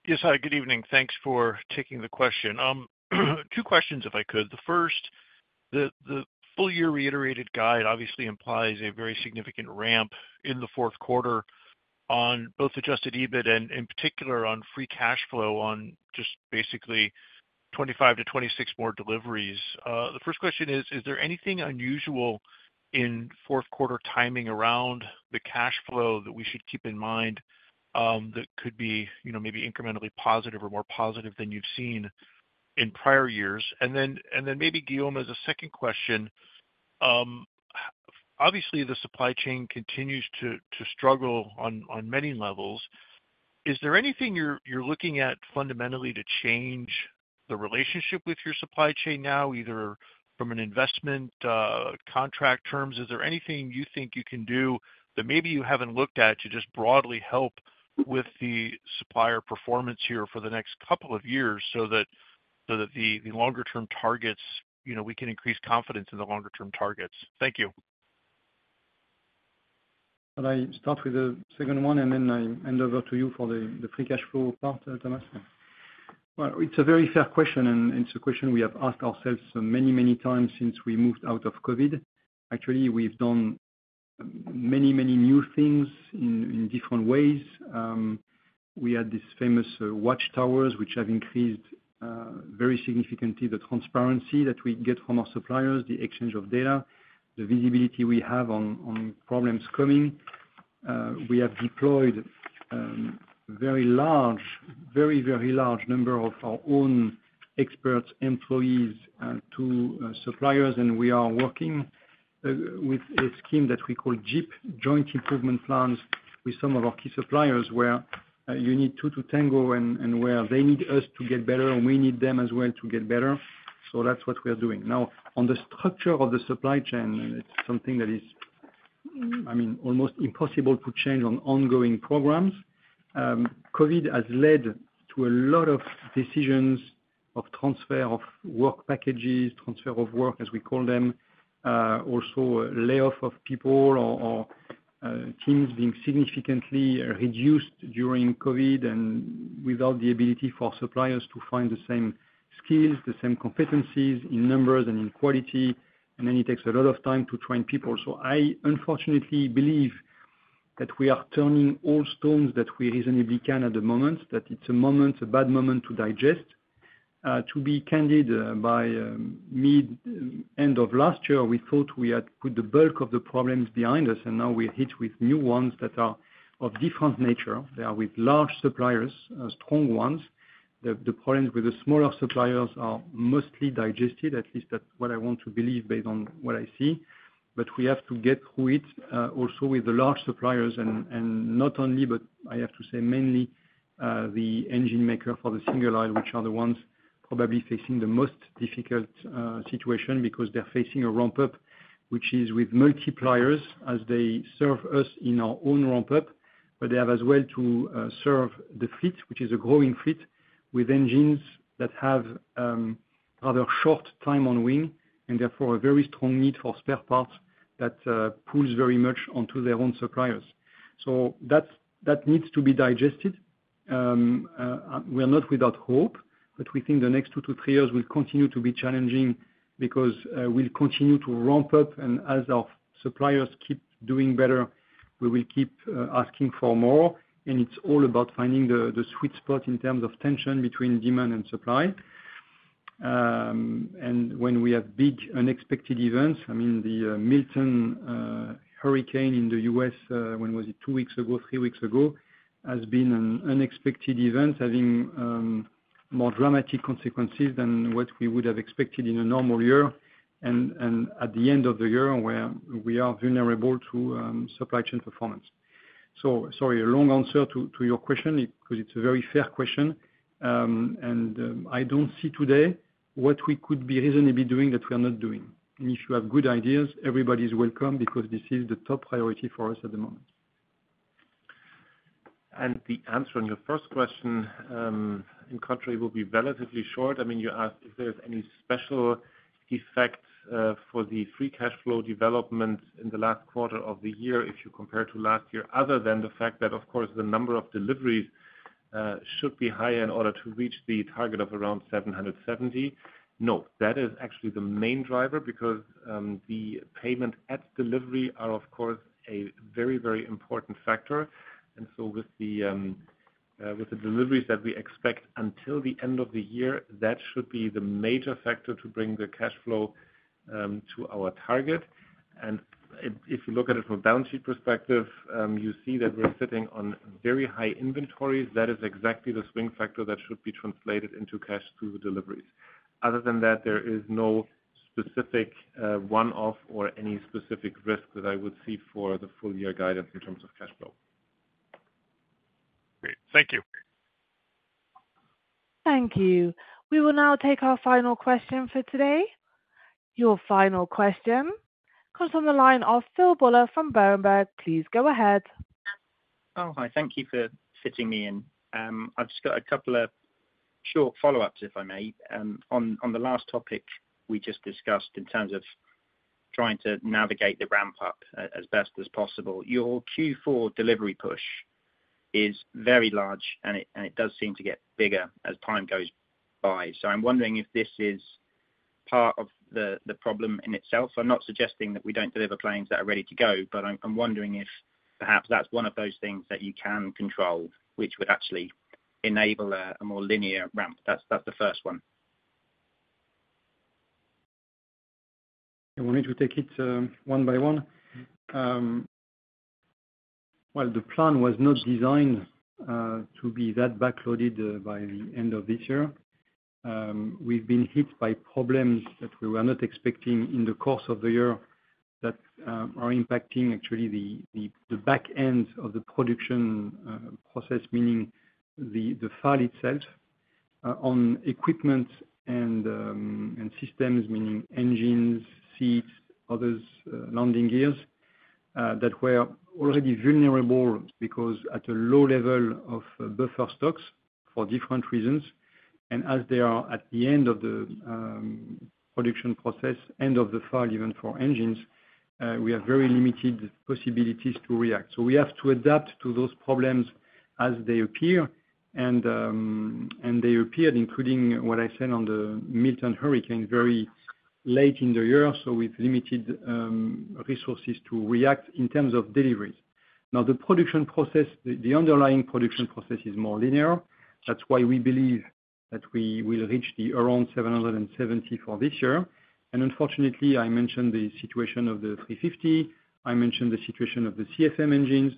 Yes, hi. Good evening. Thanks for taking the question. Two questions, if I could. The first, the full-year reiterated guide obviously implies a very significant ramp in the fourth quarter on both adjusted EBIT and, in particular, on free cash flow on just basically 25-26 more deliveries. The first question is, is there anything unusual in fourth-quarter timing around the cash flow that we should keep in mind that could be maybe incrementally positive or more positive than you've seen in prior years? And then maybe, Guillaume, as a second question, obviously, the supply chain continues to struggle on many levels. Is there anything you're looking at fundamentally to change the relationship with your supply chain now, either from an investment contract terms? Is there anything you think you can do that maybe you haven't looked at to just broadly help with the supplier performance here for the next couple of years so that the longer-term targets, we can increase confidence in the longer-term targets? Thank you. Can I start with the second one, and then I hand over to you for the free cash flow part, Thomas? Well, it's a very fair question, and it's a question we have asked ourselves many, many times since we moved out of COVID. Actually, we've done many, many new things in different ways. We had these famous watchtowers, which have increased very significantly the transparency that we get from our suppliers, the exchange of data, the visibility we have on problems coming. We have deployed a very large, very, very large number of our own experts, employees, to suppliers, and we are working with a scheme that we call JIP, Joint Improvement Plans, with some of our key suppliers where you need two to tango and where they need us to get better, and we need them as well to get better. So, that's what we are doing. Now, on the structure of the supply chain, and it's something that is, I mean, almost impossible to change on ongoing programs. COVID has led to a lot of decisions of transfer of work packages, transfer of work, as we call them, also layoff of people or teams being significantly reduced during COVID and without the ability for suppliers to find the same skills, the same competencies in numbers and in quality, and then it takes a lot of time to train people, so I unfortunately believe that we are turning all stones that we reasonably can at the moment, that it's a moment, a bad moment to digest. To be candid, by mid-end of last year, we thought we had put the bulk of the problems behind us, and now we're hit with new ones that are of different nature. They are with large suppliers, strong ones. The problems with the smaller suppliers are mostly digested, at least that's what I want to believe based on what I see. But we have to get through it also with the large suppliers, and not only, but I have to say mainly the engine maker for the single aisle, which are the ones probably facing the most difficult situation because they're facing a ramp-up, which is with multipliers as they serve us in our own ramp-up, but they have as well to serve the fleet, which is a growing fleet with engines that have rather short time on wing and therefore a very strong need for spare parts that pulls very much onto their own suppliers. So, that needs to be digested. We're not without hope, but we think the next two to three years will continue to be challenging because we'll continue to ramp up, and as our suppliers keep doing better, we will keep asking for more. And it's all about finding the sweet spot in terms of tension between demand and supply. And when we have big unexpected events, I mean, the Milton Hurricane in the U.S., when was it, two weeks ago, three weeks ago, has been an unexpected event having more dramatic consequences than what we would have expected in a normal year, and at the end of the year, where we are vulnerable to supply chain performance. So, sorry, a long answer to your question because it's a very fair question, and I don't see today what we could be reasonably doing that we are not doing. If you have good ideas, everybody's welcome because this is the top priority for us at the moment. And the answer on your first question, in contrary, will be relatively short. I mean, you asked if there's any special effect for the free cash flow development in the last quarter of the year if you compare to last year, other than the fact that, of course, the number of deliveries should be higher in order to reach the target of around 770. No, that is actually the main driver because the payment at delivery are, of course, a very, very important factor. And so, with the deliveries that we expect until the end of the year, that should be the major factor to bring the cash flow to our target. And if you look at it from a balance sheet perspective, you see that we're sitting on very high inventories. That is exactly the swing factor that should be translated into cash through the deliveries. Other than that, there is no specific one-off or any specific risk that I would see for the full-year guidance in terms of cash flow. Great. Thank you. Thank you. We will now take our final question for today. Your final question comes from the line of Phil Buller from Berenberg. Please go ahead. Oh, hi. Thank you for fitting me in. I've just got a couple of short follow-ups, if I may, on the last topic we just discussed in terms of trying to navigate the ramp-up as best as possible. Your Q4 delivery push is very large, and it does seem to get bigger as time goes by. So, I'm wondering if this is part of the problem in itself. I'm not suggesting that we don't deliver planes that are ready to go, but I'm wondering if perhaps that's one of those things that you can control, which would actually enable a more linear ramp. That's the first one. I wanted to take it one by one. Well, the plan was not designed to be that backloaded by the end of this year. We've been hit by problems that we were not expecting in the course of the year that are impacting actually the back end of the production process, meaning the final itself on equipment and systems, meaning engines, seats, others, landing gears that were already vulnerable because at a low level of buffer stocks for different reasons, as they are at the end of the production process, end of the final even for engines. We have very limited possibilities to react. We have to adapt to those problems as they appear, and they appeared, including what I said on the Milton Hurricane, very late in the year. We've limited resources to react in terms of deliveries. Now, the production process, the underlying production process is more linear. That's why we believe that we will reach around 770 for this year. And unfortunately, I mentioned the situation of the 350. I mentioned the situation of the CFM engines.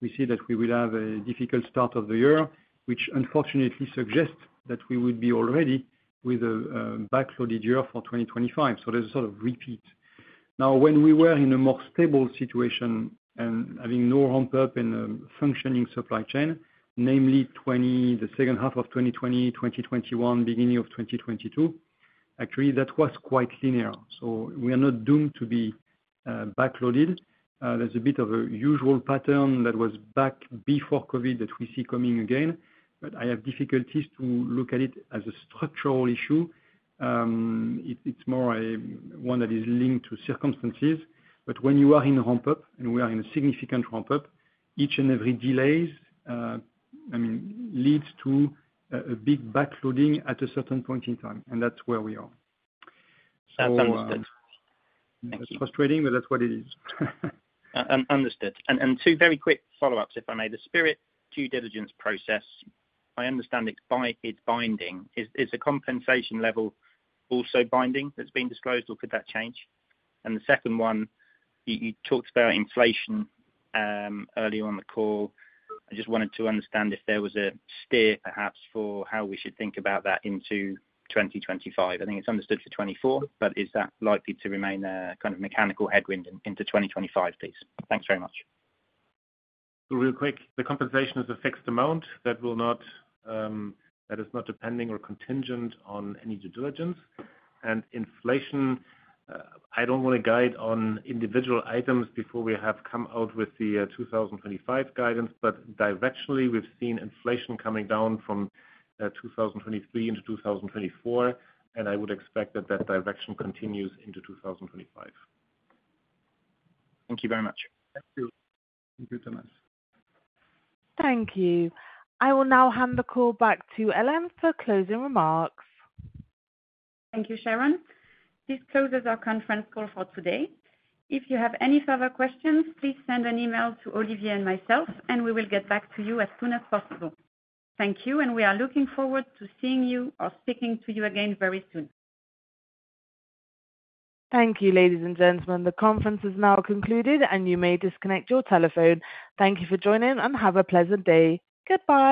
We see that we will have a difficult start of the year, which unfortunately suggests that we would be already with a backloaded year for 2025. So, there's a sort of repeat. Now, when we were in a more stable situation and having no ramp-up in a functioning supply chain, namely the second half of 2020, 2021, beginning of 2022, actually, that was quite linear. So, we are not doomed to be backloaded. There's a bit of a usual pattern that was back before COVID that we see coming again, but I have difficulties to look at it as a structural issue. It's more one that is linked to circumstances. But when you are in a ramp-up and we are in a significant ramp-up, each and every delay, I mean, leads to a big backloading at a certain point in time, and that's where we are. Understood. Thank you. It's frustrating, but that's what it is. Understood. And two very quick follow-ups, if I may. The Spirit due diligence process, I understand it's binding. Is the compensation level also binding that's been disclosed, or could that change? And the second one, you talked about inflation earlier on the call. I just wanted to understand if there was a steer, perhaps, for how we should think about that into 2025. I think it's understood for 2024, but is that likely to remain a kind of mechanical headwind into 2025, please? Thanks very much. Real quick, the compensation is a fixed amount that is not depending or contingent on any due diligence, and inflation, I don't want to guide on individual items before we have come out with the 2025 guidance, but directionally, we've seen inflation coming down from 2023 into 2024, and I would expect that that direction continues into 2025. Thank you very much. Thank you. Thank you, Thomas. Thank you. I will now hand the call back to Hélène Le Gorgeu for closing remarks. Thank you, Sharon. This closes our conference call for today. If you have any further questions, please send an email to Olivia and myself, and we will get back to you as soon as possible. Thank you, and we are looking forward to seeing you or speaking to you again very soon. Thank you, ladies and gentlemen. The conference is now concluded, and you may disconnect your telephone. Thank you for joining, and have a pleasant day. Goodbye.